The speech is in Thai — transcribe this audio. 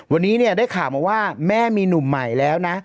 วันนี้เนี่ยได้ข่าวมาว่าแม่มีหนุ่มใหม่แล้วนะ